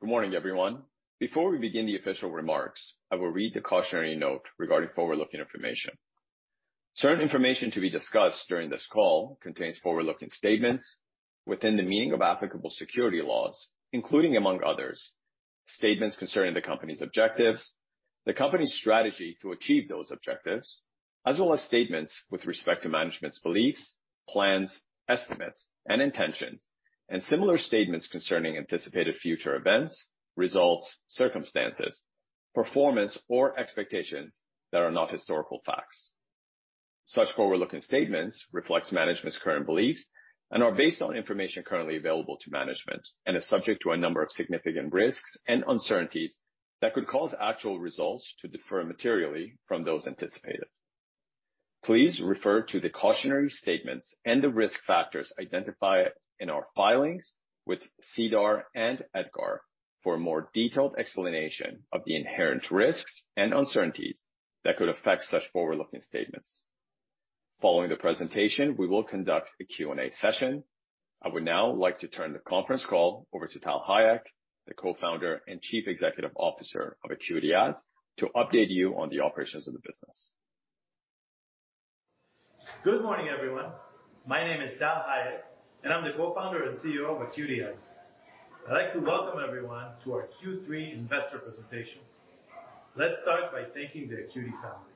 Good morning, everyone. Before we begin the official remarks, I will read the cautionary note regarding forward-looking information. Certain information to be discussed during this call contains forward-looking statements within the meaning of applicable security laws, including, among others, statements concerning the company's objectives, the company's strategy to achieve those objectives, as well as statements with respect to management's beliefs, plans, estimates, and intentions, and similar statements concerning anticipated future events, results, circumstances, performance, or expectations that are not historical facts. Such forward-looking statements reflects management's current beliefs and are based on information currently available to management and are subject to a number of significant risks and uncertainties that could cause actual results to differ materially from those anticipated. Please refer to the cautionary statements and the risk factors identified in our filings with SEDAR and EDGAR for a more detailed explanation of the inherent risks and uncertainties that could affect such forward-looking statements. Following the presentation, we will conduct a Q&A session. I would now like to turn the conference call over to Tal Hayek, the Co-Founder and Chief Executive Officer of AcuityAds, to update you on the operations of the business. Good morning, everyone. My name is Tal Hayek, and I'm the Co-founder and CEO of AcuityAds. I'd like to welcome everyone to our Q3 investor presentation. Let's start by thanking the AcuityAds family.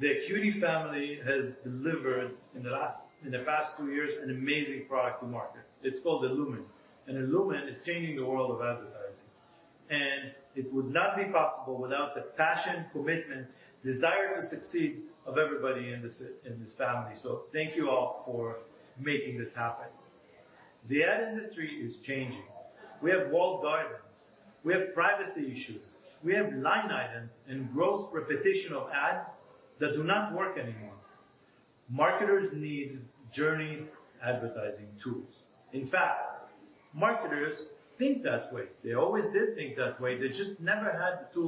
The AcuityAds family has delivered in the past two years, an amazing product to market. It's called illumin, and illumin is changing the world of advertising. It would not be possible without the passion, commitment, desire to succeed of everybody in this family. Thank you all for making this happen. The ad industry is changing. We have walled gardens. We have privacy issues. We have line items and gross repetition of ads that do not work anymore. Marketers need journey advertising tools. In fact, marketers think that way. They always did think that way. They just never had the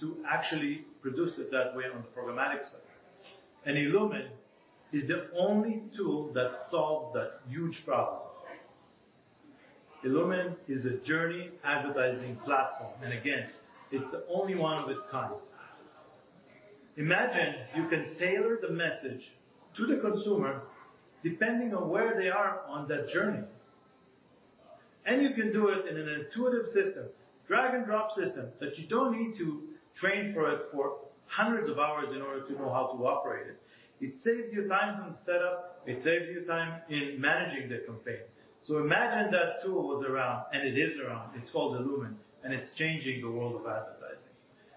tools to actually produce it that way on the programmatic side. Illumin is the only tool that solves that huge problem. Illumin is a journey advertising platform, and again, it's the only one of its kind. Imagine you can tailor the message to the consumer depending on where they are on that journey. You can do it in an intuitive system, drag-and-drop system, that you don't need to train for it for hundreds of hours in order to know how to operate it. It saves you time on setup. It saves you time in managing the campaign. Imagine that tool was around, and it is around. It's called illumin, and it's changing the world of advertising.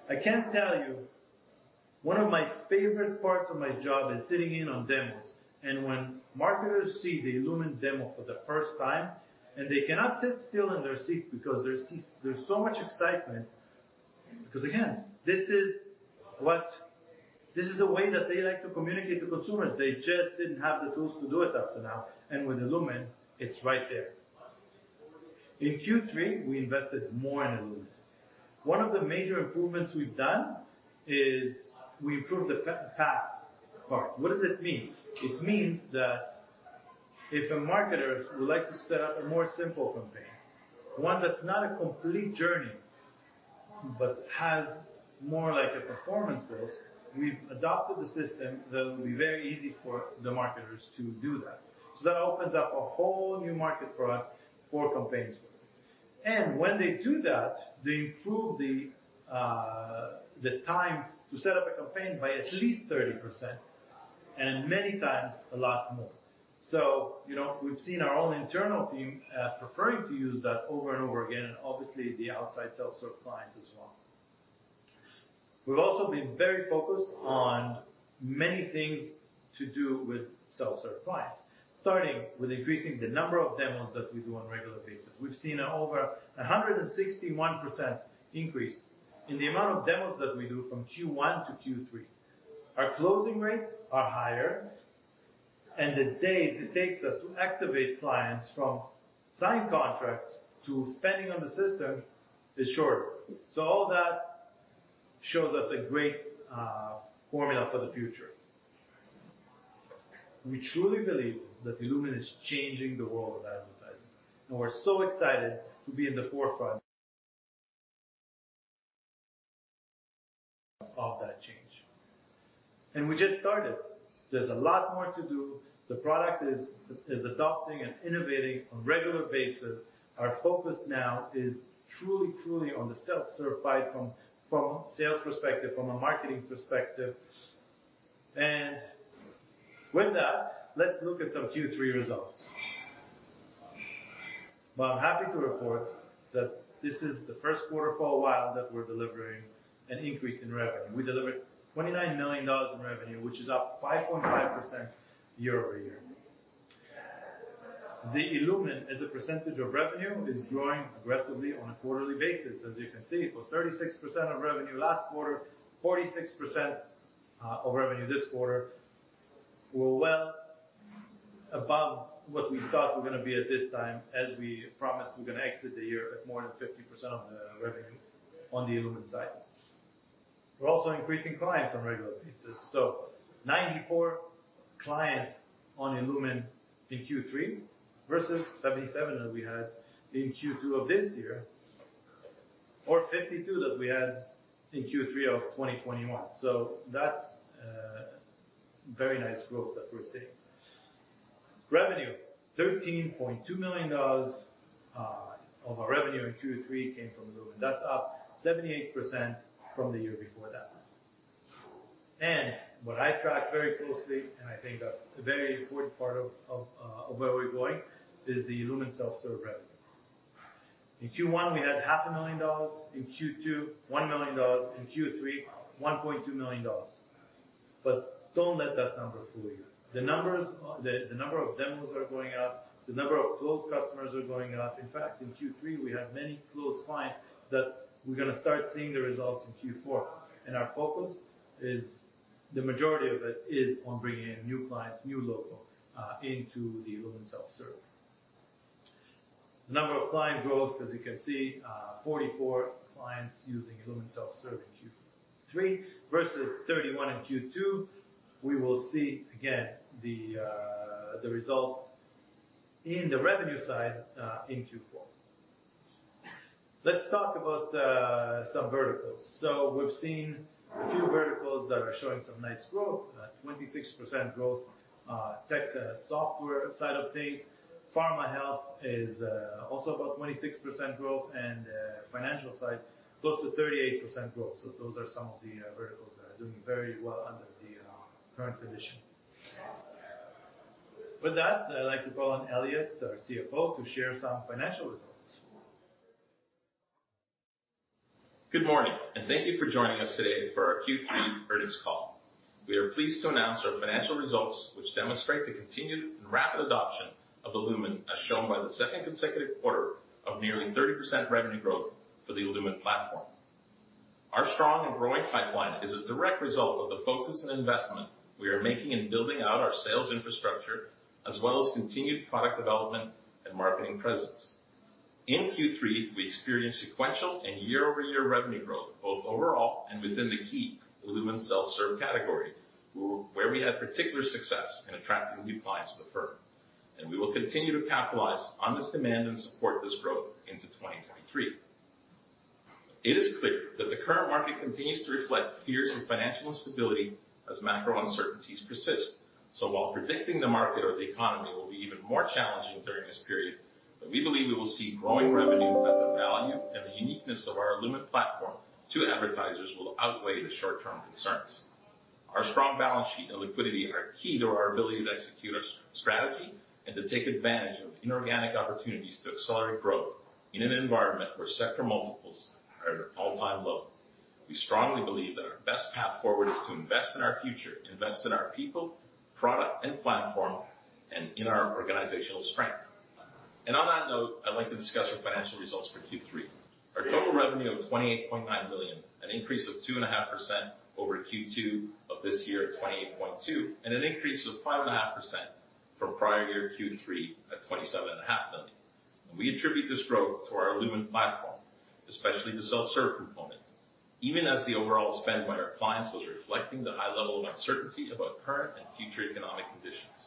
I can tell you one of my favorite parts of my job is sitting in on demos. When marketers see the illumin demo for the first time, and they cannot sit still in their seat because there's so much excitement. Because again, this is the way that they like to communicate to consumers. They just didn't have the tools to do it up to now. With illumin, it's right there. In Q3, we invested more in illumin. One of the major improvements we've done is we improved the pod path. What does it mean? It means that if a marketer would like to set up a more simple campaign, one that's not a complete journey, but has more like a performance base, we've adopted the system that will be very easy for the marketers to do that. That opens up a whole new market for us for campaigns. When they do that, they improve the time to set up a campaign by at least 30%, and many times a lot more. You know, we've seen our own internal team preferring to use that over and over again, and obviously the outside self-serve clients as well. We've also been very focused on many things to do with self-serve clients, starting with increasing the number of demos that we do on a regular basis. We've seen over 161% increase in the amount of demos that we do from Q1 to Q3. Our closing rates are higher, and the days it takes us to activate clients from signed contracts to spending on the system is shorter. All that shows us a great formula for the future. We truly believe that illumin is changing the world of advertising, and we're so excited to be at the forefront of that change. We just started. There's a lot more to do. The product is adopting and innovating on regular basis. Our focus now is truly on the self-serve side from a sales perspective, from a marketing perspective. With that, let's look at some Q3 results. Well, I'm happy to report that this is the first quarter for a while that we're delivering an increase in revenue. We delivered $29 million in revenue, which is up 5.5% year-over-year. The illumin, as a percentage of revenue, is growing aggressively on a quarterly basis. As you can see, it was 36% of revenue last quarter, 46% of revenue this quarter. We're well above what we thought we're gonna be at this time. As we promised, we're gonna exit the year at more than 50% of the revenue on the illumin side. We're also increasing clients on a regular basis. 94 clients on illumin in Q3 versus 77 that we had in Q2 of this year, or 52 that we had in Q3 of 2021. That's very nice growth that we're seeing. Revenue. $13.2 million of our revenue in Q3 came from illumin. That's up 78% from the year before that. What I tracked very closely, and I think that's a very important part of where we're going, is the illumin self-serve revenue. In Q1, we had half a million dollars, in Q2, $1 million, in Q3, $1.2 million. Don't let that number fool you. The numbers, the number of demos are going up, the number of closed customers are going up. In fact, in Q3, we had many closed clients that we're gonna start seeing the results in Q4. Our focus is the majority of it is on bringing in new clients, new logo, into the illumin self-serve. The number of client growth, as you can see, 44 clients using illumin self-serve in Q3 versus 31 in Q2. We will see again the results in the revenue side, in Q4. Let's talk about some verticals. We've seen a few verticals that are showing some nice growth. 26% growth, tech software side of things. Pharma health is also about 26% growth, and financial side, close to 38% growth. Those are some of the verticals that are doing very well under the current condition. With that, I'd like to call on Elliot, our CFO, to share some financial results. Good morning, and thank you for joining us today for our Q3 earnings call. We are pleased to announce our financial results which demonstrate the continued and rapid adoption of illumin, as shown by the second consecutive quarter of nearly 30% revenue growth for the illumin platform. Our strong and growing pipeline is a direct result of the focus and investment we are making in building out our sales infrastructure, as well as continued product development and marketing presence. In Q3, we experienced sequential and year-over-year revenue growth, both overall and within the key illumin self-serve category, where we had particular success in attracting new clients to the firm. We will continue to capitalize on this demand and support this growth into 2023. It is clear that the current market continues to reflect fears of financial instability as macro uncertainties persist. While predicting the market or the economy will be even more challenging during this period, but we believe we will see growing revenue as the value and the uniqueness of our illumin platform to advertisers will outweigh the short-term concerns. Our strong balance sheet and liquidity are key to our ability to execute our strategy and to take advantage of inorganic opportunities to accelerate growth in an environment where sector multiples are at an all-time low. We strongly believe that our best path forward is to invest in our future, invest in our people, product and platform, and in our organizational strength. On that note, I'd like to discuss our financial results for Q3. Our total revenue of 28.9 million, an increase of 2.5% over Q2 of this year of 28.2 million, and an increase of 5.5% from prior year Q3 at 27.5 million. We attribute this growth to our illumin platform, especially the self-serve component, even as the overall spend by our clients was reflecting the high level of uncertainty about current and future economic conditions.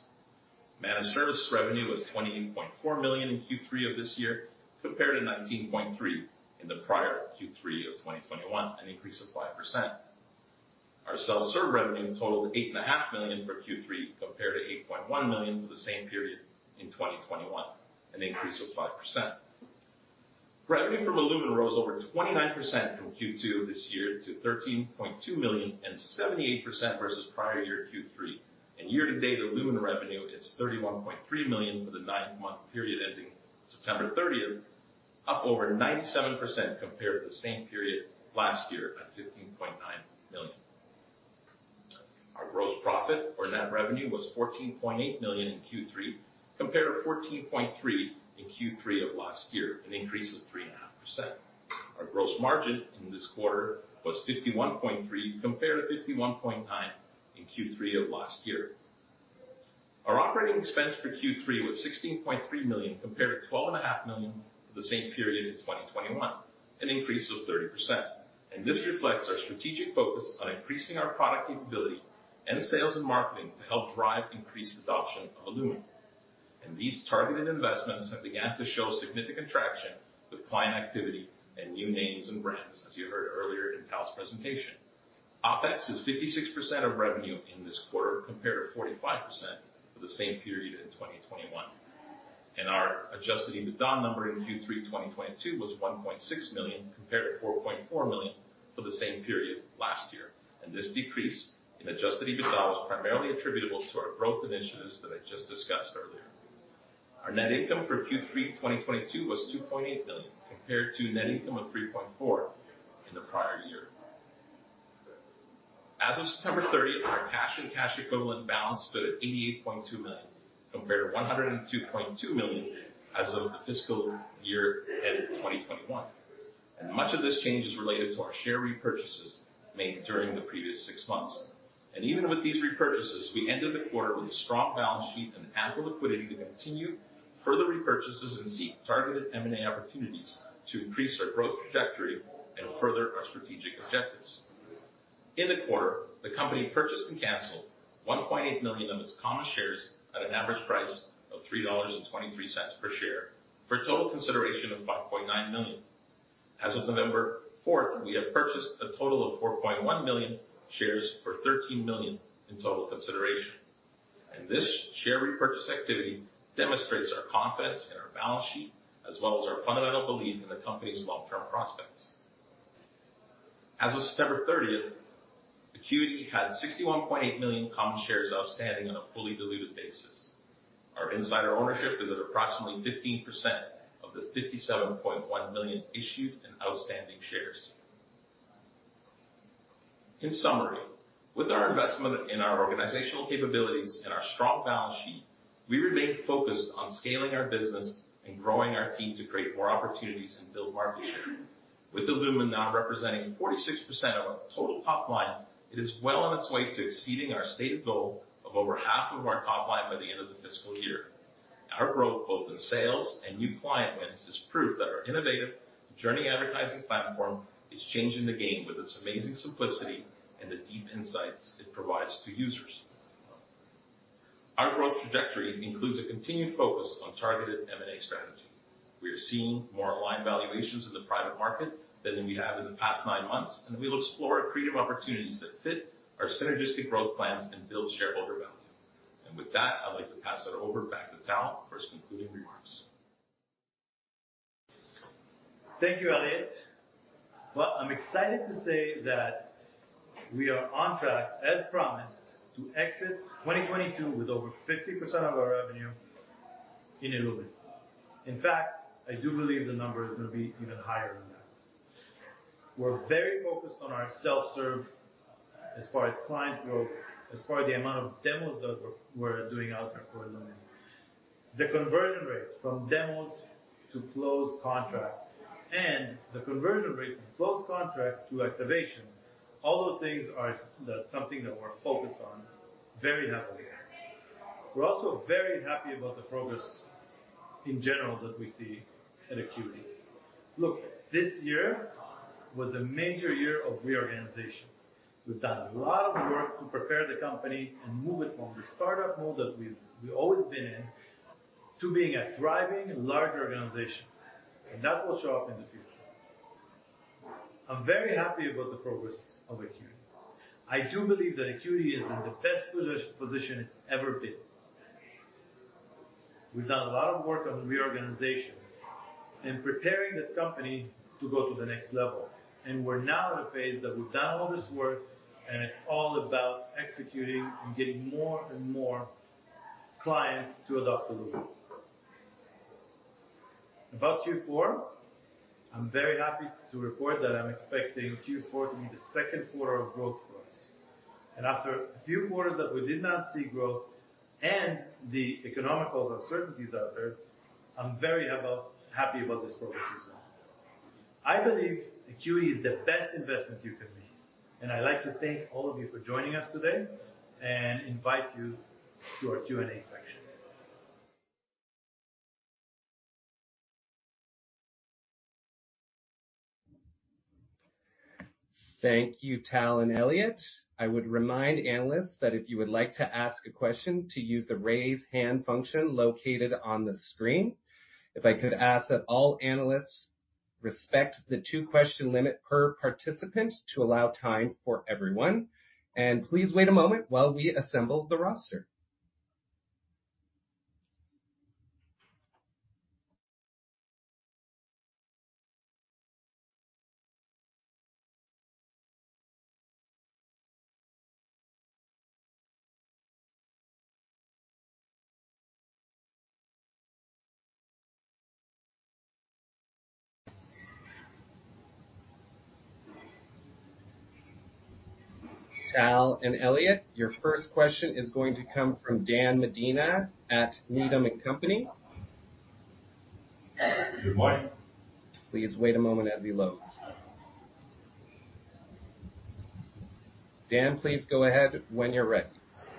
Managed service revenue was 28.4 million in Q3 of this year, compared to 19.3 million in the prior Q3 of 2021, an increase of 5%. Our self-serve revenue totaled 8.5 million for Q3, compared to 8.1 million for the same period in 2021, an increase of 5%. Revenue from illumin rose over 29% from Q2 this year to 13.2 million and 78% versus prior year Q3. Year-to-date, illumin revenue is 31.3 million for the nine-month period ending September thirtieth, up over 97% compared to the same period last year at 15.9 million. Our gross profit or net revenue was 14.8 million in Q3, compared to 14.3 million in Q3 of last year, an increase of 3.5%. Our gross margin in this quarter was 51.3%, compared to 51.9% in Q3 of last year. Our operating expense for Q3 was 16.3 million, compared to 12.5 million for the same period in 2021, an increase of 30%. This reflects our strategic focus on increasing our product capability and sales and marketing to help drive increased adoption of illumin. These targeted investments have began to show significant traction with client activity and new names and brands, as you heard earlier in Tal's presentation. OpEx is 56% of revenue in this quarter, compared to 45% for the same period in 2021. Our adjusted EBITDA number in Q3 2022 was 1.6 million, compared to 4.4 million for the same period last year. This decrease in adjusted EBITDA was primarily attributable to our growth initiatives that I just discussed earlier. Our net income for Q3 2022 was 2.8 million, compared to net income of 3.4 million in the prior year. As of September 30, our cash and cash equivalents balance stood at 88.2 million, compared to 102.2 million as of the fiscal year end in 2021. Much of this change is related to our share repurchases made during previous six months. Even with these repurchases, we ended the quarter with a strong balance sheet and ample liquidity to continue further repurchases and seek targeted M&A opportunities to increase our growth trajectory and further our strategic objectives. In the quarter, the company purchased and canceled 1.8 million of its common shares at an average price of 3.23 dollars per share, for a total consideration of 5.9 million. As of November 4th, we have purchased a total of 4.1 million shares for 13 million in total consideration. This share repurchase activity demonstrates our confidence in our balance sheet as well as our fundamental belief in the company's long-term prospects. As of September 30th, AcuityAds had 61.8 million common shares outstanding on a fully diluted basis. Our insider ownership is at approximately 15% of the 57.1 million issued and outstanding shares. In summary, with our investment in our organizational capabilities and our strong balance sheet, we remain focused on scaling our business and growing our team to create more opportunities and build market share. With illumin now representing 46% of our total top line, it is well on its way to exceeding our stated goal of over half of our top line by the end of the fiscal year. Our growth, both in sales and new client wins, is proof that our innovative journey advertising platform is changing the game with its amazing simplicity and the deep insights it provides to users. Our growth trajectory includes a continued focus on targeted M&A strategy. We are seeing more aligned valuations in the private market than we have in the past nine months, and we will explore accretive opportunities that fit our synergistic growth plans and build shareholder value. With that, I'd like to pass it over back to Tal for his concluding remarks. Thank you, Elliot. Well, I'm excited to say that we are on track, as promised, to exit 2022 with over 50% of our revenue in illumin. In fact, I do believe the number is gonna be even higher than that. We're very focused on our self-serve as far as client growth, as far as the amount of demos that we're doing out there for illumin. The conversion rates from demos to closed contracts and the conversion rate from closed contract to activation, all those things are something that we're focused on very heavily. We're also very happy about the progress in general that we see at Acuity. Look, this year was a major year of reorganization. We've done a lot of work to prepare the company and move it from the startup mode that we've always been in to being a thriving larger organization, and that will show up in the future. I'm very happy about the progress of Acuity. I do believe that Acuity is in the best position it's ever been. We've done a lot of work on reorganization and preparing this company to go to the next level. We're now at a phase that we've done all this work, and it's all about executing and getting more and more clients to adopt illumin. About Q4, I'm very happy to report that I'm expecting Q4 to be the second quarter of growth for us. After a few quarters that we did not see growth and the economic uncertainties out there, I'm very happy about this progress as well. I believe Acuity is the best investment you can make, and I'd like to thank all of you for joining us today and invite you to our Q&A section. Thank you, Tal and Elliot. I would remind analysts that if you would like to ask a question to use the Raise Hand function located on the screen. If I could ask that all analysts respect the two-question limit per participant to allow time for everyone. Please wait a moment while we assemble the roster. Tal and Elliot, your first question is going to come from Dan Medina at Needham & Company. Good morning. Please wait a moment as he loads. Dan, please go ahead when you're ready.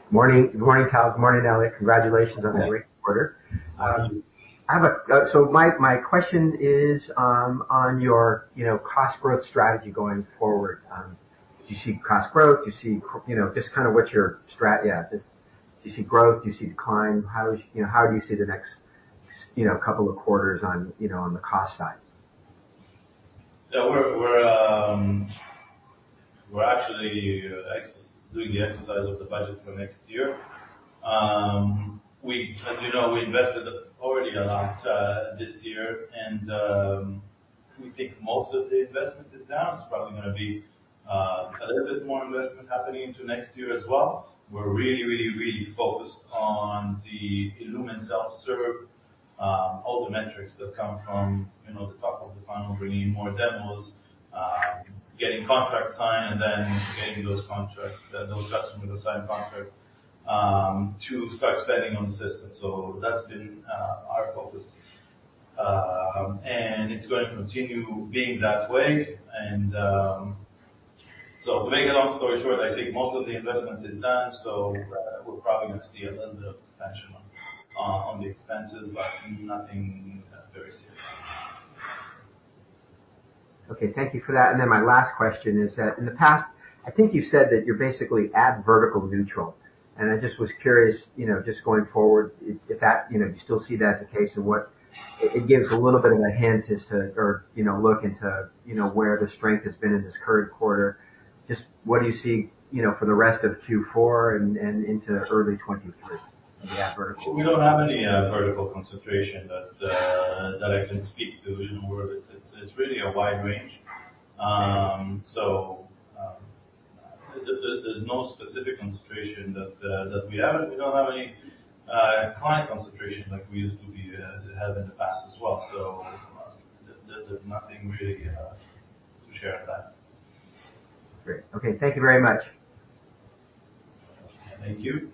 Morning. Good morning, Tal. Good morning, Elliot. Congratulations on a great quarter. Yeah. Thank you. My question is on your, you know, cost growth strategy going forward, do you see cost growth? Yeah. Just do you see growth? Do you see decline? How would, you know, how do you see the next couple of quarters on, you know, on the cost side? Yeah. We're actually doing the exercise of the budget for next year. We, as you know, invested already a lot this year, and we think most of the investment is down. It's probably gonna be a little bit more investment happening into next year as well. We're really focused on the illumin self-serve, all the metrics that come from, you know, the top of the funnel, bringing in more demos, getting contracts signed, and then getting those contracts, those customers to sign contract, to start spending on the system. That's been our focus. It's gonna continue being that way. To make a long story short, I think most of the investment is done, so we're probably gonna see a little bit of expansion on the expenses, but nothing very serious. Okay. Thank you for that. My last question is that in the past, I think you said that you're basically ad vertical neutral. I just was curious, you know, just going forward, if that, you know, you still see that as the case and what it gives a little bit of a hint as to or, you know, look into, you know, where the strength has been in this current quarter. Just what do you see, you know, for the rest of Q4 and into early 2023 in the ad vertical? We don't have any vertical concentration that I can speak to. In other words, it's really a wide range. There's no specific concentration that we have. We don't have any client concentration like we used to have in the past as well. There's nothing really to share on that. Great. Okay. Thank you very much. Thank you.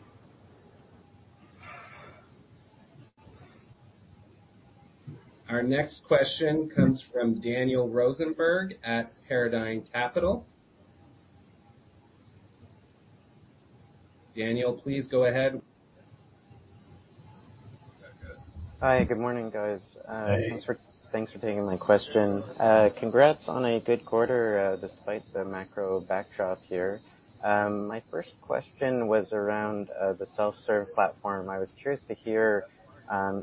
Our next question comes from Daniel Rosenberg at Paradigm Capital. Daniel, please go ahead. Hi. Good morning, guys. Hey. Thanks for taking my question. Congrats on a good quarter, despite the macro backdrop here. My first question was around the self-serve platform. I was curious to hear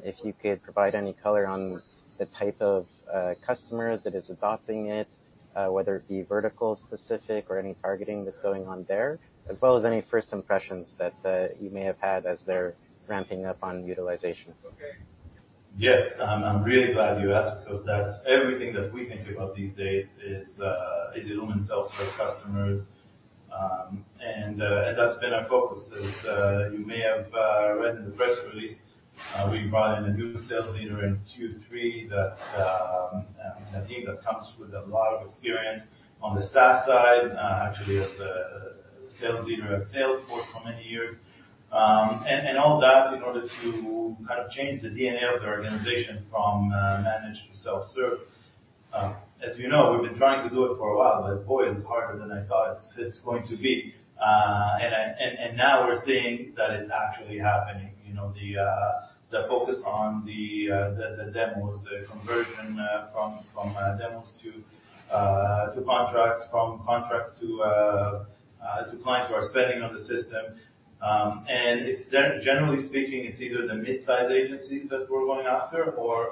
if you could provide any color on the type of customer that is adopting it, whether it be vertical specific or any targeting that's going on there, as well as any first impressions that you may have had as they're ramping up on utilization. Yes. I'm really glad you asked because that's everything that we think about these days is illumin self-serve customers. That's been our focus. You may have read in the press release, we brought in a new sales leader in Q3 that I think comes with a lot of experience on the SaaS side, actually as a sales leader at Salesforce for many years. All that in order to kind of change the DNA of the organization from managed to self-serve. As you know, we've been trying to do it for a while, but boy, it's harder than I thought it's going to be. Now we're seeing that it's actually happening. You know, the focus on the demos, the conversion from demos to contracts, from contracts to clients who are spending on the system. It's generally speaking either the mid-size agencies that we're going after or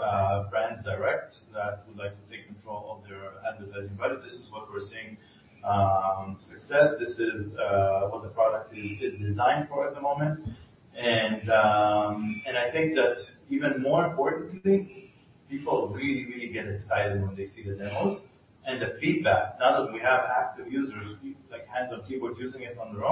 brands direct that would like to take control of their advertising budget. This is what we're seeing on success. This is what the product is designed for at the moment. I think that even more importantly, people really, really get excited when they see the demos. The feedback, now that we have active users, like hands on keyboard using it on their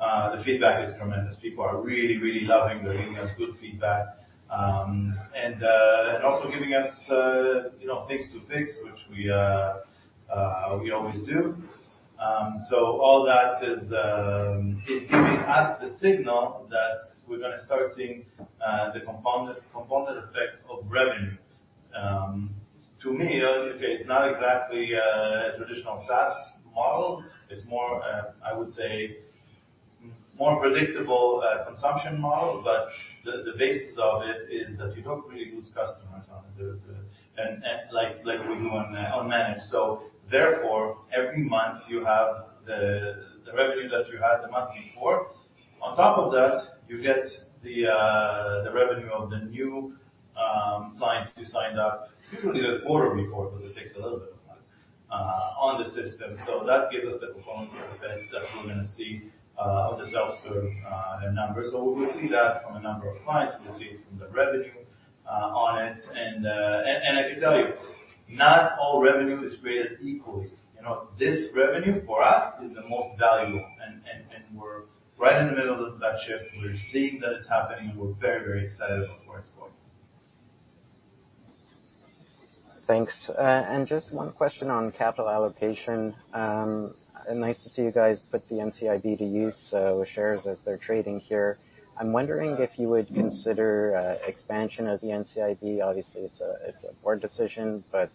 own, the feedback is tremendous. People are really, really loving. They're giving us good feedback. Also giving us, you know, things to fix, which we always do. All that is giving us the signal that we're gonna start seeing the compounding effect of revenue. To me, it's not exactly a traditional SaaS model. It's more, I would say more predictable consumption model, but the basis of it is that you don't really lose customers on the and like we do on managed. Therefore, every month you have the revenue that you had the month before. On top of that, you get the revenue of the new clients who signed up, usually the quarter before because it takes a little bit of time on the system. That gives us the compounding effect that we're gonna see of the self-serve numbers. We see that from a number of clients. We see it from the revenue on it. I can tell you, not all revenue is created equally. You know, this revenue for us is the most valuable and we're right in the middle of that shift. We're seeing that it's happening. We're very, very excited about where it's going. Thanks. Just one question on capital allocation. Nice to see you guys put the NCIB to use, shares as they're trading here. I'm wondering if you would consider expansion of the NCIB. Obviously, it's a board decision, but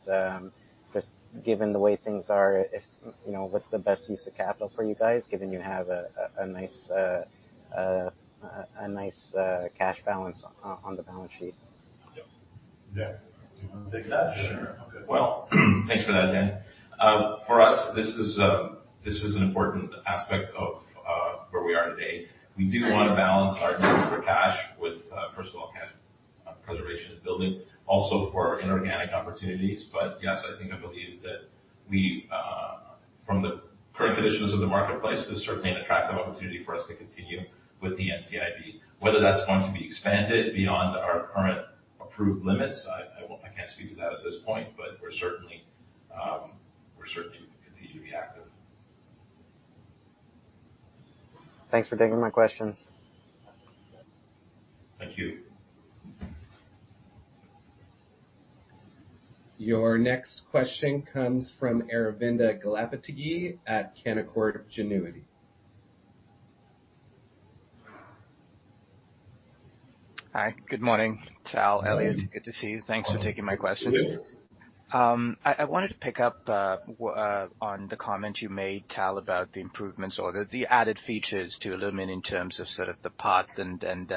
just given the way things are, you know, what's the best use of capital for you guys given you have a nice cash balance on the balance sheet? Yeah. Do you want to take that? Sure. Okay. Well, thanks for that, Dan. For us, this is an important aspect of where we are today. We do wanna balance our need for cash with, first of all, cash preservation and building, also for inorganic opportunities. Yes, I believe that, from the current conditions of the marketplace, this is certainly an attractive opportunity for us to continue with the NCIB. Whether that's going to be expanded beyond our current approved limits, I can't speak to that at this point, but we're certainly continuing to be active. Thanks for taking my questions. Thank you. Your next question comes from Aravinda Galappatthige at Canaccord Genuity. Hi, good morning, Tal, Elliot. Good to see you. Thanks for taking my questions. Good. I wanted to pick up on the comment you made, Tal, about the improvements or the added features to illumin in terms of sort of the pod and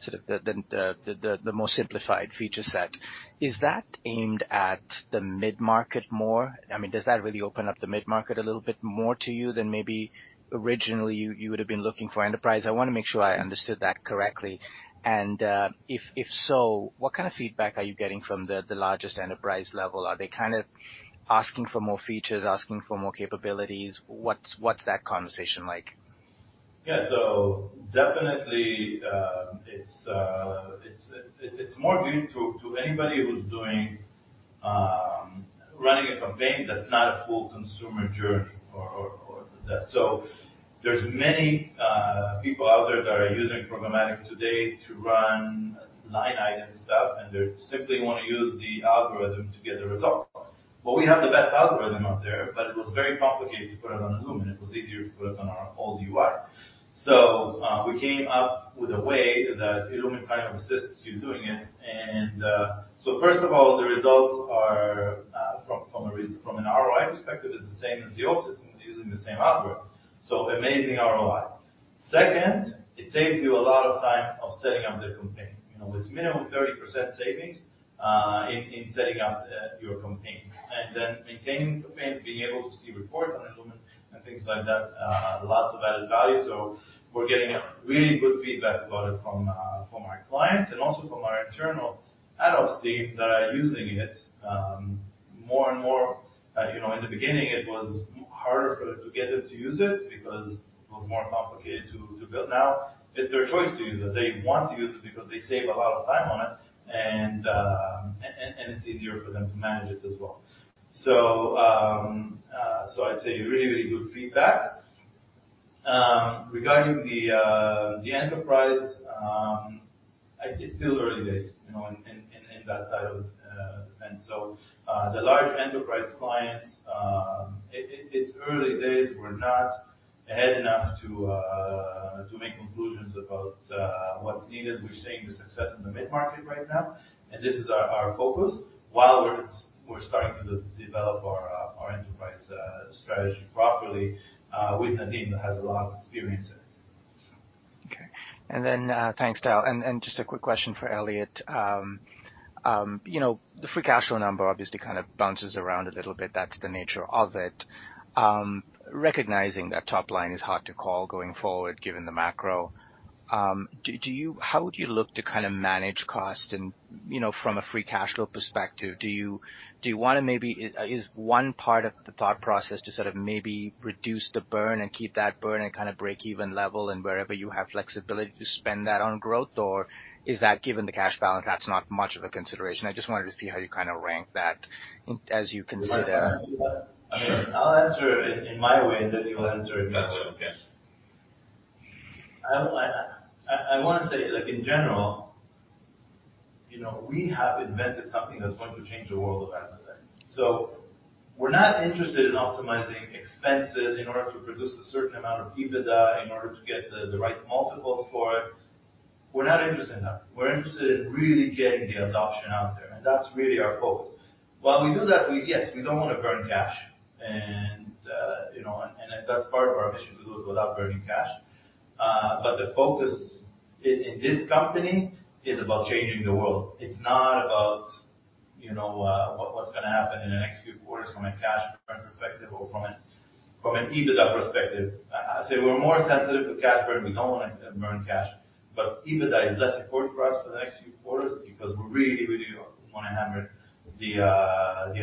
sort of the more simplified feature set. Is that aimed at the mid-market more? I mean, does that really open up the mid-market a little bit more to you than maybe originally you would've been looking for enterprise? I wanna make sure I understood that correctly. If so, what kind of feedback are you getting from the largest enterprise level? Are they kind of asking for more features, asking for more capabilities? What's that conversation like? Yeah. Definitely, it's more meaningful to anybody who's running a campaign that's not a full consumer journey or that. There's many people out there that are using programmatic today to run line item stuff, and they simply wanna use the algorithm to get the results. We have the best algorithm out there, but it was very complicated to put it on illumin. It was easier to put it on our old UI. We came up with a way that illumin kind of assists you doing it. First of all, the results are from an ROI perspective, it's the same as the old system using the same algorithm. Amazing ROI. Second, it saves you a lot of time of setting up the campaign. You know, it's minimum 30% savings in setting up your campaigns. Then maintaining campaigns, being able to see reports on illumin and things like that, lots of added value. We're getting really good feedback about it from our clients and also from our internal ad ops team that are using it more and more. You know, in the beginning, it was harder for it to get them to use it because it was more complicated to build. Now it's their choice to use it. They want to use it because they save a lot of time on it and it's easier for them to manage it as well. I'd say really good feedback. Regarding the enterprise, it's still early days, you know, in that side of the fence. The large enterprise clients, it's early days. We're not ahead enough to make conclusions about what's needed. We're seeing the success in the mid-market right now, and this is our focus while we're starting to develop our enterprise strategy properly with Nadeem, who has a lot of experience in it. Okay. Thanks, Tal. Just a quick question for Elliot. You know, the free cash flow number obviously kind of bounces around a little bit. That's the nature of it. Recognizing that top line is hard to call going forward, given the macro, how would you look to kind of manage cost and, you know, from a free cash flow perspective, do you wanna maybe one part of the thought process to sort of maybe reduce the burn and keep that burn at kind of breakeven level and wherever you have flexibility to spend that on growth? Or is that given the cash balance, that's not much of a consideration? I just wanted to see how you kind of rank that as you consider- Do you mind if I answer that? Sure. I mean, I'll answer it in my way, and then you'll answer it in yours. Gotcha. Okay. I wanna say, like, in general, you know, we have invented something that's going to change the world of advertising. We're not interested in optimizing expenses in order to produce a certain amount of EBITDA in order to get the right multiples for it. We're not interested in that. We're interested in really getting the adoption out there, and that's really our focus. While we do that, yes, we don't wanna burn cash. You know, and that's part of our mission to do it without burning cash. The focus in this company is about changing the world. It's not about, you know, what's gonna happen in the next few quarters from a cash burn perspective or from an EBITDA perspective. I'll say we're more sensitive to cash burn. We don't wanna burn cash, but EBITDA is less important for us for the next few quarters because we really, really do wanna hammer the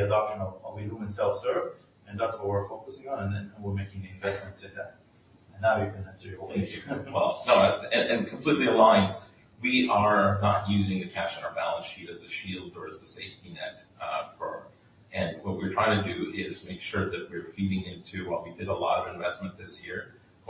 adoption of illumin self-serve, and that's what we're focusing on, and then we're making the investments in that. Now you can answer your question. Well, no. Completely aligned, we are not using the cash on our balance sheet as a shield or as a safety net. What we're trying to do is make sure that we're feeding into while we did a lot of investment this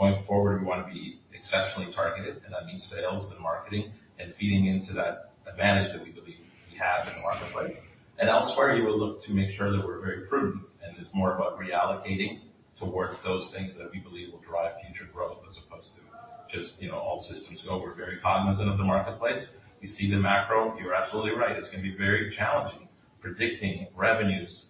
year. Going forward, we wanna be exceptionally targeted, and that means sales and marketing and feeding into that advantage that we believe we have in the marketplace. Elsewhere, you will look to make sure that we're very prudent, and it's more about reallocating towards those things that we believe will drive future growth as opposed to just, you know, all systems go. We're very cognizant of the marketplace. You see the macro. You're absolutely right. It's gonna be very challenging predicting revenues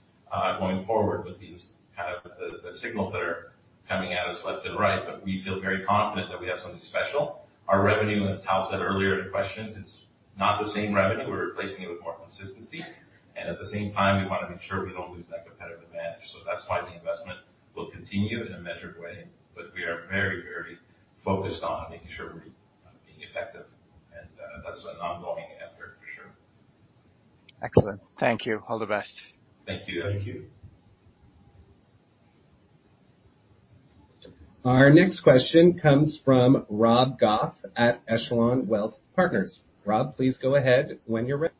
going forward with these kind of the signals that are coming at us left and right. We feel very confident that we have something special. Our revenue, as Tal said earlier in the question, is not the same revenue. We're replacing it with more consistency, and at the same time, we wanna make sure we don't lose that competitive advantage. That's why the investment will continue in a measured way, but we are very, very focused on making sure we're being effective. That's an ongoing effort for sure. Excellent. Thank you. All the best. Thank you. Thank you. Our next question comes from Rob Goff at Echelon Wealth Partners. Rob, please go ahead when you're ready.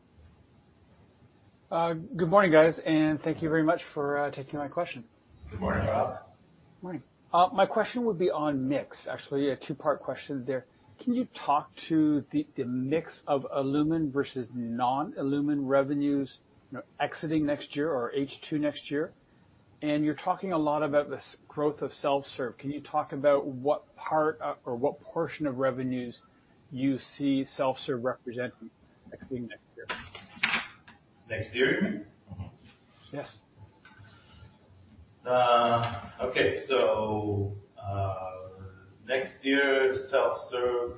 Good morning, guys, and thank you very much for taking my question. Good morning, Rob. Good morning. Morning. My question would be on mix, actually a two-part question there. Can you talk to the mix of illumin versus non-illumin revenues, you know, exiting next year or H2 next year? You're talking a lot about this growth of self-serve. Can you talk about what part or what portion of revenues you see self-serve representing actually next year? Next year, you mean? Mm-hmm. Yes. Next year self-serve,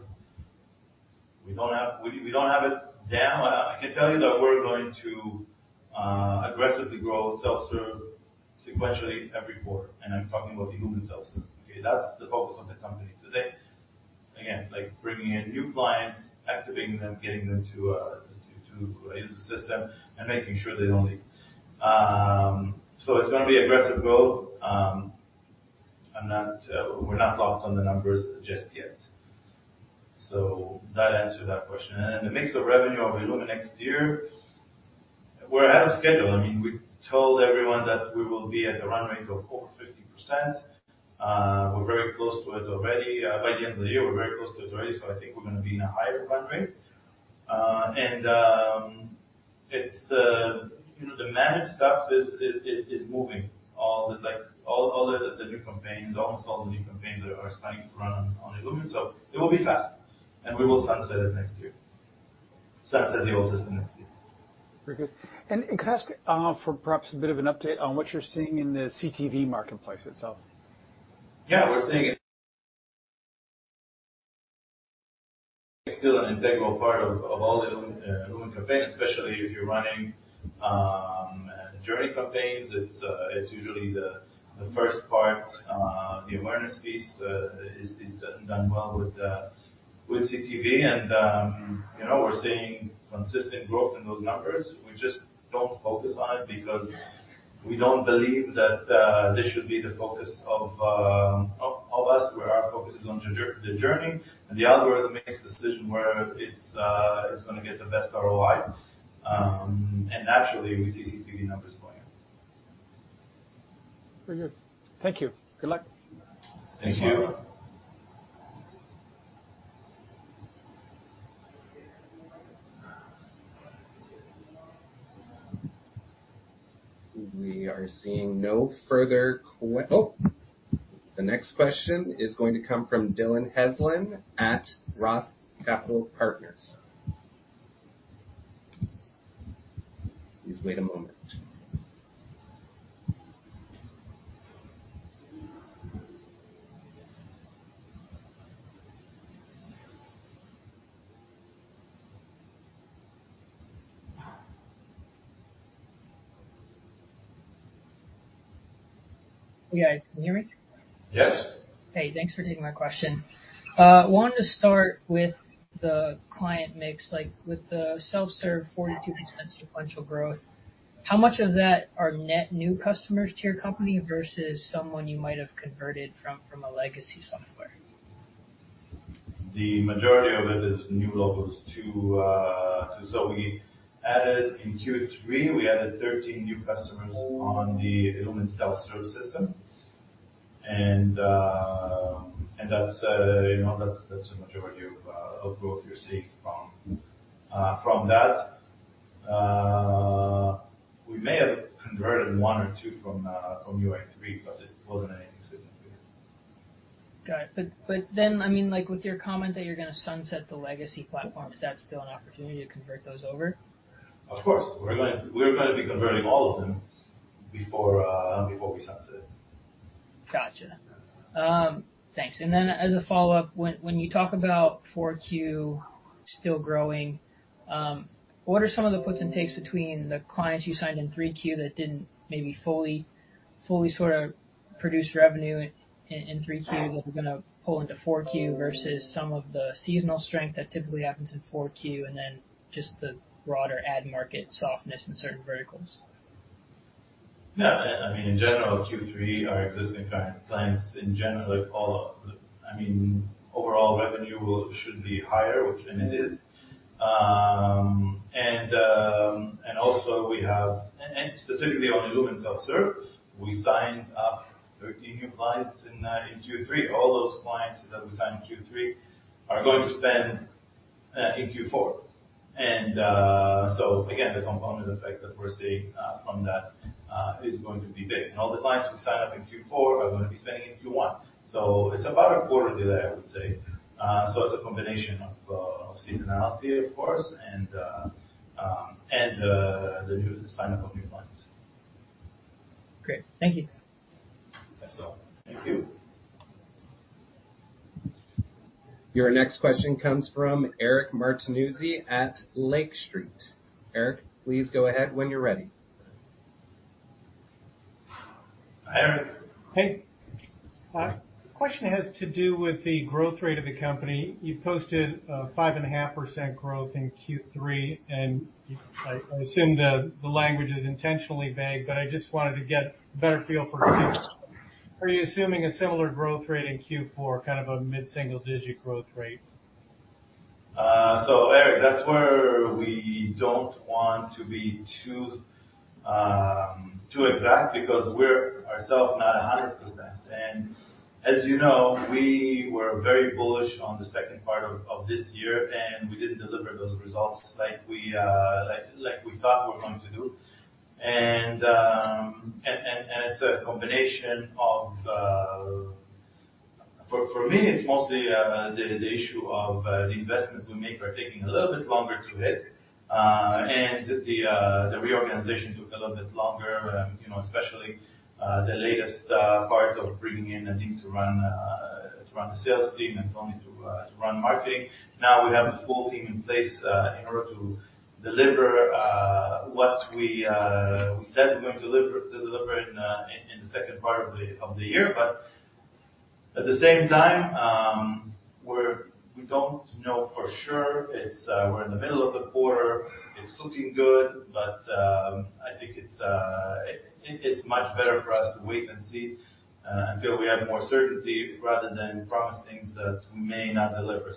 we don't have it down. I can tell you that we're going to aggressively grow self-serve sequentially every quarter, and I'm talking about illumin self-serve. Okay. That's the focus of the company today. Again, like bringing in new clients, activating them, getting them to use the system and making sure they don't leave. It's gonna be aggressive growth. I'm not. We're not locked on the numbers just yet. That answers that question. The mix of revenue of illumin next year, we're ahead of schedule. I mean, we told everyone that we will be at the run rate of over 50%. We're very close to it already. By the end of the year, we're very close to it already, so I think we're gonna be in a higher run rate. It's, you know, the managed stuff is moving. Almost all the new campaigns are starting to run on illumin. It will be fast, and we will sunset the old system next year. Very good. Could I ask, for perhaps a bit of an update on what you're seeing in the CTV marketplace itself? Yeah. We're seeing it. It's still an integral part of all illumin campaigns, especially if you're running journey campaigns. It's usually the first part, the awareness piece, is done well with CTV. You know, we're seeing consistent growth in those numbers. We just don't focus on it because we don't believe that this should be the focus of us, where our focus is on the journey, and the algorithm makes decision where it's gonna get the best ROI. And naturally, we see CTV numbers going up. Very good. Thank you. Good luck. Thanks, Rob Goff. Oh, the next question is going to come from Dillon Heslin at Roth Capital Partners. Please wait a moment. You guys, can you hear me? Yes. Hey, thanks for taking my question. Wanted to start with the client mix. Like, with the self-serve 42% sequential growth, how much of that are net new customers to your company versus someone you might have converted from a legacy software? The majority of it is new logos. We added, in Q3, 13 new customers on the illumin self-service system. That's you know that's the majority of growth you're seeing from that. We may have converted one or two from UI/3, but it wasn't anything significant. Got it. I mean, like, with your comment that you're gonna sunset the legacy platform, is that still an opportunity to convert those over? Of course. We're gonna be converting all of them before we sunset. Gotcha. Thanks. Then as a follow-up, when you talk about four Q still growing, what are some of the puts and takes between the clients you signed in three Q that didn't maybe fully sort of produce revenue in three Q that we're gonna pull into four Q versus some of the seasonal strength that typically happens in four Q and then just the broader ad market softness in certain verticals? No. I mean, in general, Q3 are existing clients in general. I mean, overall revenue should be higher, which and it is. specifically on illumin self-serve, we signed up 13 new clients in Q3. All those clients that we signed in Q3 are going to spend in Q4. so again, the cohort effect that we're seeing from that is going to be big. all the clients who sign up in Q4 are gonna be spending in Q1. it's about a quarter delay, I would say. it's a combination of seasonality, of course, and the new sign up of new clients. Great. Thank you. Yes. Thank you. Your next question comes from Eric Martinuzzi at Lake Street Capital Markets. Eric, please go ahead when you're ready. Hi, Eric. Hey. Question has to do with the growth rate of the company. You posted a 5.5% growth in Q3, and I assume the language is intentionally vague, but I just wanted to get a better feel. Are you assuming a similar growth rate in Q4, kind of a mid-single digit growth rate? Eric, that's where we don't want to be too exact because we're ourselves not 100%. As you know, we were very bullish on the second part of this year, and we didn't deliver those results like we thought we were going to do. It's a combination of. For me, it's mostly the issue of the investment we make are taking a little bit longer to hit. The reorganization took a little bit longer, you know, especially the latest part of bringing in a team to run the sales team and Tony to run marketing. Now we have a full team in place in order to deliver what we said we're going to deliver in the second part of the year. At the same time, we don't know for sure. We're in the middle of the quarter. It's looking good, but I think it's much better for us to wait and see until we have more certainty rather than promise things that we may not deliver.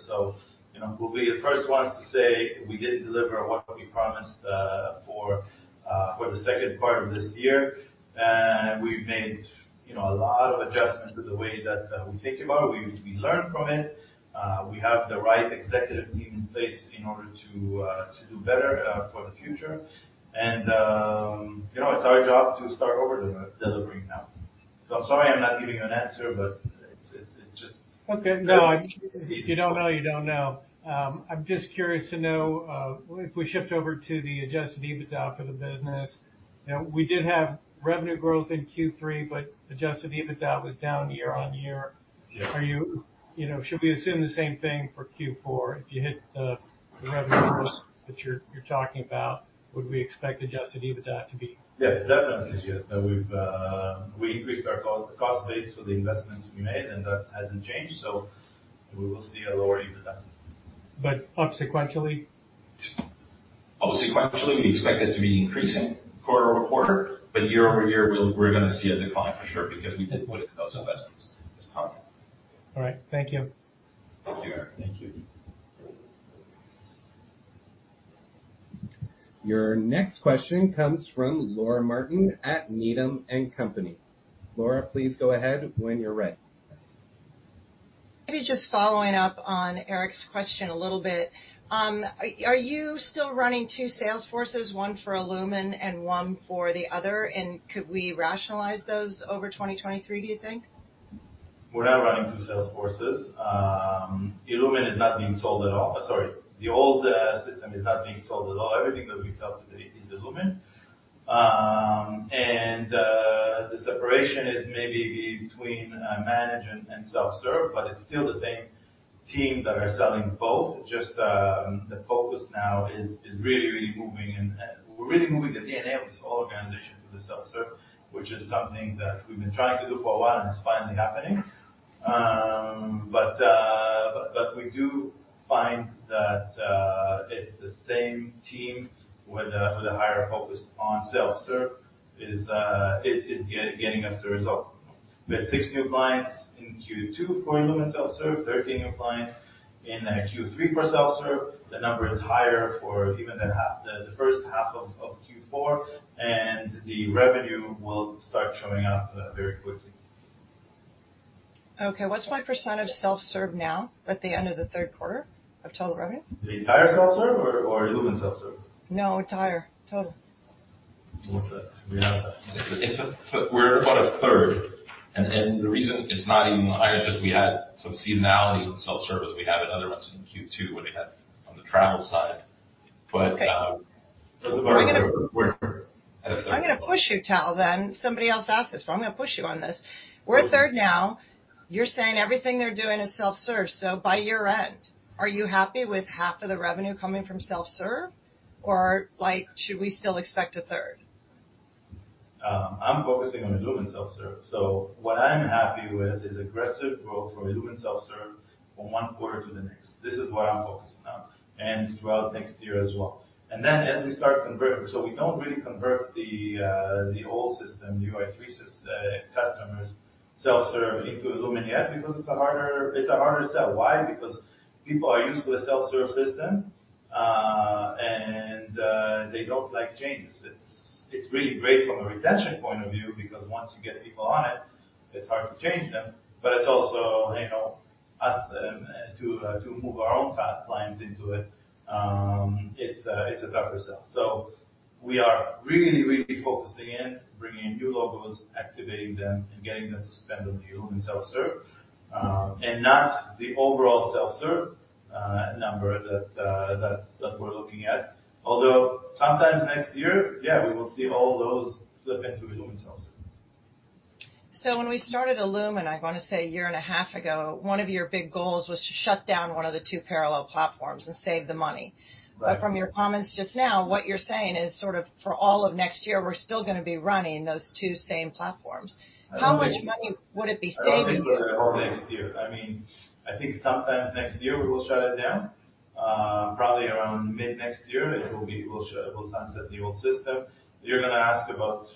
You know, we'll be the first ones to say we didn't deliver what we promised for the second part of this year. We've made, you know, a lot of adjustments to the way that we think about it. We learn from it. We have the right executive team in place in order to do better for the future. You know, it's our job to start over-delivering now. I'm sorry I'm not giving an answer, but it's just. Okay. No, if you don't know, you don't know. I'm just curious to know, if we shift over to the adjusted EBITDA for the business, you know, we did have revenue growth in Q3, but adjusted EBITDA was down year-over-year. Yeah. You know, should we assume the same thing for Q4? If you hit the revenue growth that you're talking about, would we expect adjusted EBITDA to be? Yes, definitely yes. We increased our cost base for the investments we made, and that hasn't changed, so we will see a lower EBITDA. Sequentially? Sequentially, we expect it to be increasing quarter-over-quarter, but year-over-year, we're gonna see a decline for sure because we did put in those investments this time. All right. Thank you. Thank you. Thank you. Your next question comes from Laura Martin at Needham & Company. Laura, please go ahead when you're ready. Maybe just following up on Eric's question a little bit. Are you still running two sales forces, one for illumin and one for the other? Could we rationalize those over 2023, do you think? We're now running two sales forces. Illumin is not being sold at all. Sorry. The old system is not being sold at all. Everything that we sell today is Illumin. The separation is maybe between managed and self-serve, but it's still the same team that are selling both. Just the focus now is really moving and we're really moving the DNA of this whole organization to the self-serve, which is something that we've been trying to do for a while, and it's finally happening. We do find that it's the same team with a higher focus on self-serve is getting us the result. We had six new clients in Q2 for Illumin self-serve, 13 new clients in Q3 for self-serve. The number is higher for even the first half of Q4, and the revenue will start showing up very quickly. Okay. What's my percentage of self-serve now at the end of the third quarter of total revenue? The entire self-serve or illumin self-serve? No, entire. Total. Don't have that. We don't have that. We're about a third. The reason it's not even higher is just we had some seasonality with self-serve as we had in other months in Q2, what we had on the travel side. Okay. We're at a third. I'm gonna push you, Tal, then. Somebody else asked this, but I'm gonna push you on this. We're a third now. You're saying everything they're doing is self-serve. By year-end, are you happy with half of the revenue coming from self-serve, or like, should we still expect a third? I'm focusing on illumin self-serve. What I'm happy with is aggressive growth for illumin self-serve from one quarter to the next. This is what I'm focusing on, and throughout next year as well. We don't really convert the old system UI3 self-serve customers into illumin yet because it's a harder sell. Why? Because people are used to a self-serve system, and they don't like changes. It's really great from a retention point of view because once you get people on it's hard to change them, but it's also you know for us to move our own legacy clients into it's a tougher sell. We are really, really focusing in, bringing new logos, activating them, and getting them to spend on the illumin self-serve, and not the overall self-serve number that we're looking at. Although sometimes next year, yeah, we will see all those flip into illumin self-serve. When we started illumin, I wanna say a year and a half ago, one of your big goals was to shut down one of the two parallel platforms and save the money. Right. From your comments just now, what you're saying is sort of for all of next year, we're still gonna be running those two same platforms. How much money would it be saving- I don't think the whole next year. I mean, I think sometimes next year we will shut it down. Probably around mid next year, we'll sunset the old system. You're gonna ask about,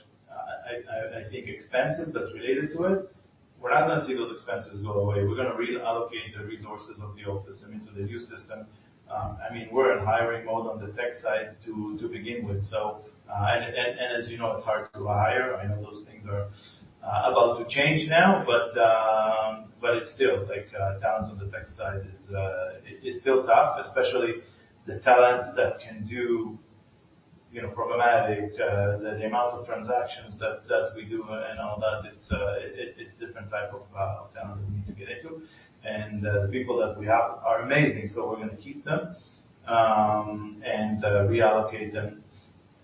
I think, expenses that's related to it. We're not gonna see those expenses go away. We're gonna reallocate the resources of the old system into the new system. I mean, we're in hiring mode on the tech side to begin with. As you know, it's hard to hire. I know those things are about to change now, but it's still like talent on the tech side is still tough, especially the talent that can do, you know, programmatic, the amount of transactions that we do and all that. It's different type of talent that we need to get into. The people that we have are amazing, so we're gonna keep them and reallocate them.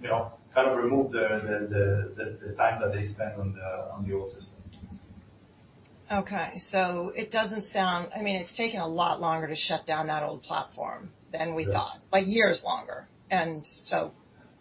You know, kind of remove the time that they spend on the old system. Okay. I mean, it's taking a lot longer to shut down that old platform than we thought. Yes. Like years longer, and so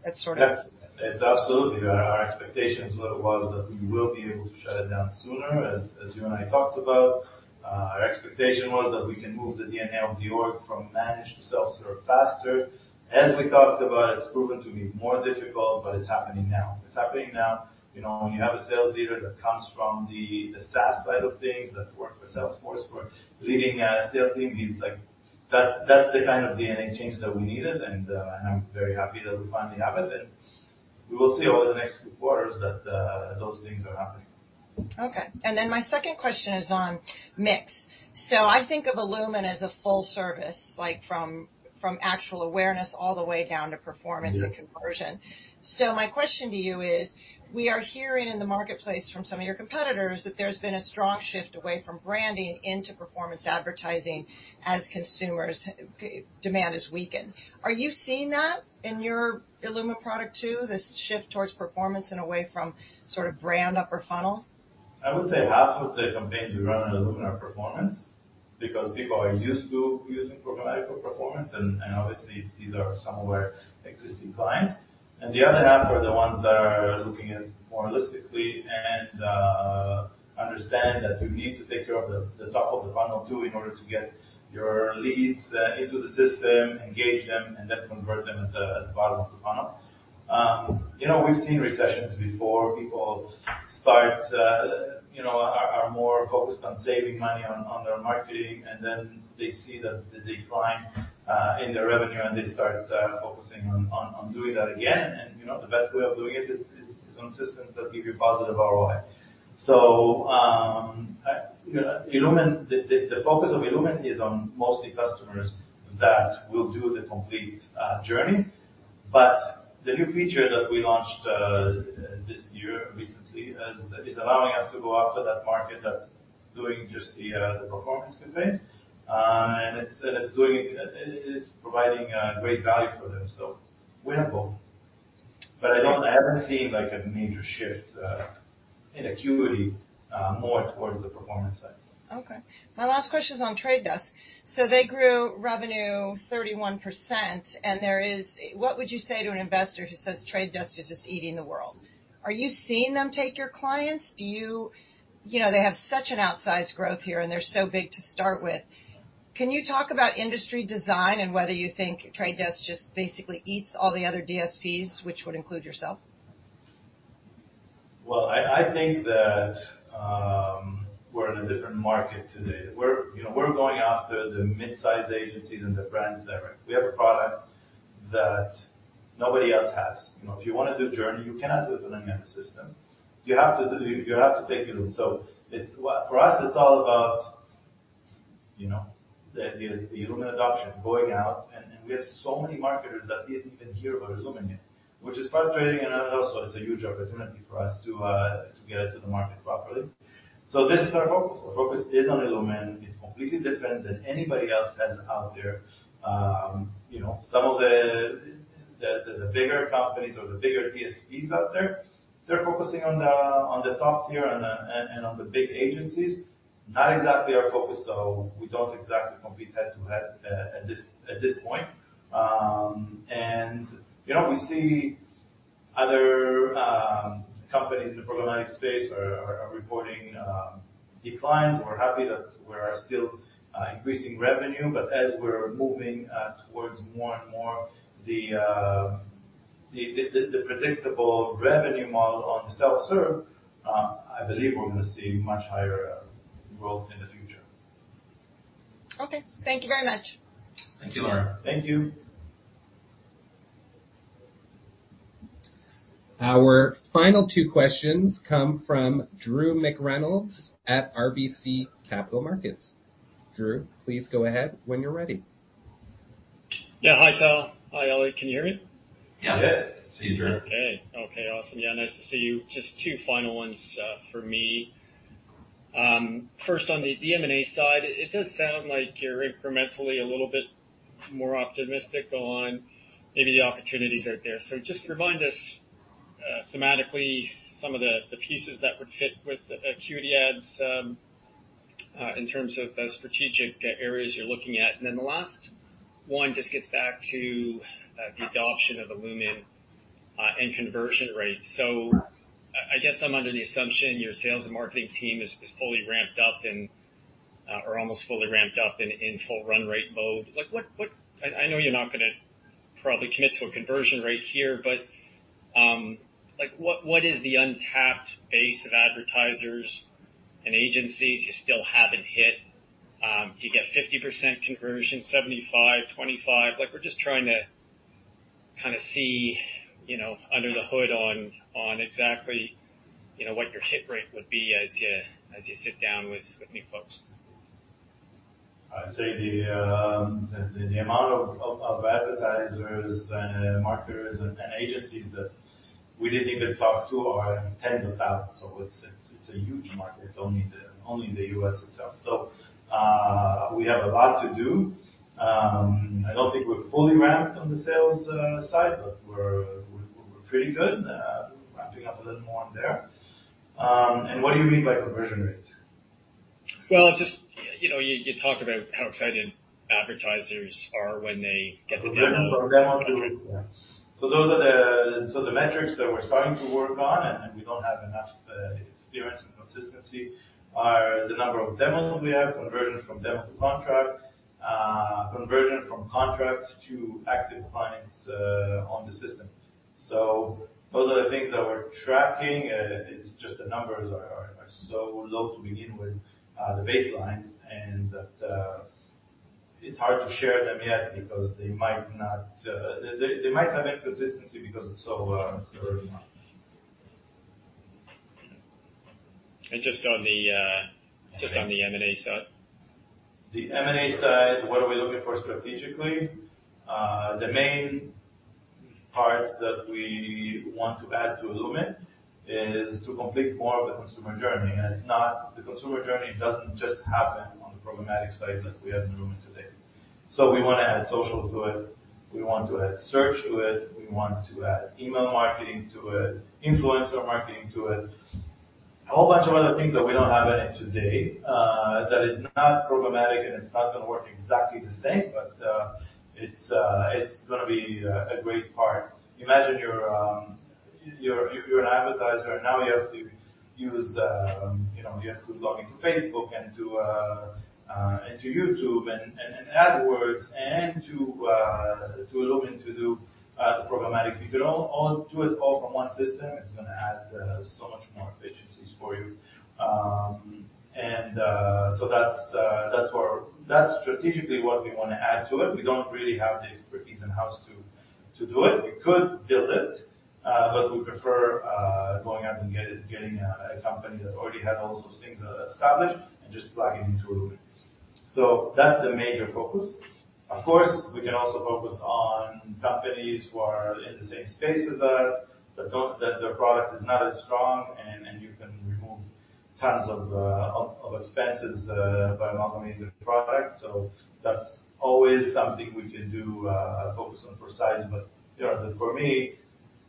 it's sort of. Yeah. It's absolutely. Our expectations were that we will be able to shut it down sooner, as you and I talked about. Our expectation was that we can move the DNA of the org from managed to self-serve faster. As we talked about, it's proven to be more difficult, but it's happening now. It's happening now. You know, when you have a sales leader that comes from the SaaS side of things that work for Salesforce, for leading a sales team, he's like. That's the kind of DNA change that we needed, and I'm very happy that we finally have it. We will see over the next quarters that those things are happening. Okay. My second question is on mix. I think of illumin as a full service, like from actual awareness all the way down to performance. Yeah. Conversion. My question to you is, we are hearing in the marketplace from some of your competitors that there's been a strong shift away from branding into performance advertising as consumers' demand has weakened. Are you seeing that in your illumin product too, this shift towards performance and away from sort of brand upper funnel? I would say half of the campaigns we run on illumin are performance because people are used to using programmatic for performance and obviously these are some of our existing clients. The other half are the ones that are looking at it more holistically and understand that you need to take care of the top of the funnel too in order to get your leads into the system, engage them, and then convert them at the bottom of the funnel. You know, we've seen recessions before. People you know are more focused on saving money on their marketing, and then they see the decline in their revenue, and they start focusing on doing that again. You know, the best way of doing it is on systems that give you positive ROI. Illumin. The focus of illumin is on mostly customers that will do the complete journey. The new feature that we launched this year recently is allowing us to go after that market that's doing just the performance campaigns. It is providing great value for them. We have both. I haven't seen like a major shift in AcuityAds more towards the performance side. Okay. My last question is on The Trade Desk. They grew revenue 31%, what would you say to an investor who says The Trade Desk is just eating the world? Are you seeing them take your clients? You know, they have such an outsized growth here, and they're so big to start with. Can you talk about industry dynamics and whether you think The Trade Desk just basically eats all the other DSPs, which would include yourself? I think that we're in a different market today. You know, we're going after the mid-size agencies and the brands direct. We have a product that nobody else has. You know, if you wanna do journey, you cannot do it with any other system. You have to take illumin. For us, it's all about, you know, the illumin adoption, going out, and we have so many marketers that didn't even hear about illumin yet, which is frustrating and also it's a huge opportunity for us to get it to the market properly. This is our focus. Our focus is on illumin. It's completely different than anybody else has out there. You know, some of the bigger companies or the bigger DSPs out there, they're focusing on the top tier and on the big agencies. Not exactly our focus, so we don't exactly compete head to head at this point. You know, we see other companies in the programmatic space are reporting declines. We're happy that we are still increasing revenue. As we're moving towards more and more the predictable revenue model on self-serve, I believe we're gonna see much higher growth in the future. Okay. Thank you very much. Thank you, Laura. Thank you. Our final two questions come from Drew McReynolds at RBC Capital Markets. Drew, please go ahead when you're ready. Yeah. Hi, Tal. Hi, Eli. Can you hear me? Yeah. Yes. See you, Drew. Okay. Okay, awesome. Yeah, nice to see you. Just two final ones for me. First on the M&A side, it does sound like you're incrementally a little bit more optimistic on maybe the opportunities out there. Just remind us thematically some of the pieces that would fit with AcuityAds in terms of the strategic areas you're looking at. The last one just gets back to the adoption of illumin and conversion rates. I guess I'm under the assumption your sales and marketing team is fully ramped up and or almost fully ramped up in full run rate mode. Like, what. I know you're not gonna probably commit to a conversion rate here, but, like, what is the untapped base of advertisers and agencies you still haven't hit? Do you get 50% conversion, 75%, 25%? Like, we're just trying to kinda see, you know, under the hood on exactly, you know, what your hit rate would be as you sit down with new folks. I'd say the amount of advertisers and marketers and agencies that we didn't even talk to are in 10s of thousands. It's a huge market, only the US itself. We have a lot to do. I don't think we're fully ramped on the sales side, but we're pretty good. Ramping up a little more there. What do you mean by conversion rate? Well, just, you know, you talk about how excited advertisers are when they get the demo. The metrics that we're starting to work on, and we don't have enough experience and consistency, are the number of demos that we have, conversion from demo to contract, conversion from contract to active clients on the system. Those are the things that we're tracking. It's just the numbers are so low to begin with, the baselines and that. It's hard to share them yet because they might not. They might have inconsistency because it's so early on. Just on the M&A side. The M&A side, what are we looking for strategically? The main part that we want to add to illumin is to complete more of the consumer journey. The consumer journey doesn't just happen on the programmatic side like we have in illumin today. We wanna add social to it, we want to add search to it, we want to add email marketing to it, influencer marketing to it. A whole bunch of other things that we don't have in it today, that is not programmatic, and it's not gonna work exactly the same, but it's gonna be a great part. Imagine you're an advertiser, now you have to use, you know, you have to log into Facebook and to into YouTube and AdWords and to to illumin to do the programmatic. If you can all do it all from one system, it's gonna add so much more efficiencies for you. That's strategically what we wanna add to it. We don't really have the expertise in-house to do it. We could build it, but we prefer going out and getting a company that already has all those things established and just plug it into illumin. That's the major focus. Of course, we can also focus on companies who are in the same space as us, that their product is not as strong and you can remove tons of expenses by not competing with the product. That's always something we can do, focus on for size. Generally for me,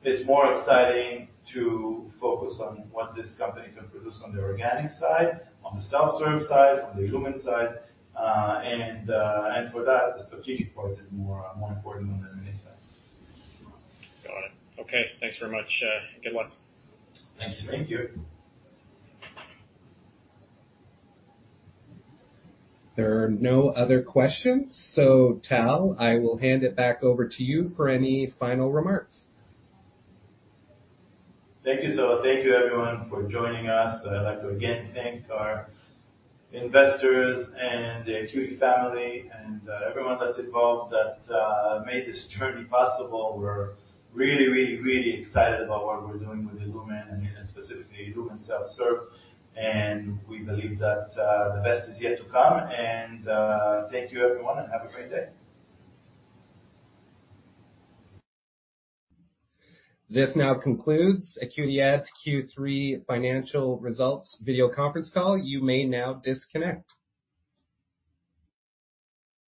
it's more exciting to focus on what this company can produce on the organic side, on the self-serve side, on the illumin side. For that, the strategic part is more important on the M&A side. Got it. Okay, thanks very much. Good one. Thank you. Thank you. There are no other questions. Tal, I will hand it back over to you for any final remarks. Thank you, Zola. Thank you everyone for joining us. I'd like to again thank our investors and the Acuity family and everyone that's involved that made this journey possible. We're really excited about what we're doing with illumin, and specifically illumin self-serve. We believe that the best is yet to come. Thank you everyone, and have a great day. This now concludes AcuityAds' Q3 financial results video conference call. You may now disconnect.